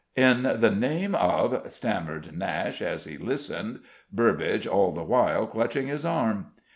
"In the name of " stammered Nashe, as he listened, Burbage all the while clutching his arm.